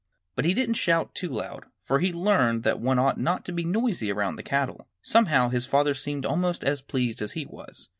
But he didn't shout too loud, for he had learned that one ought not to be noisy around the cattle. Somehow his father seemed almost as pleased as he was.